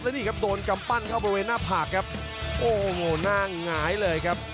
นี่ครับโดนกำปั้นเข้าบริเวณหน้าผากครับโอ้โหหน้าหงายเลยครับ